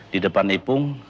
di depan ipung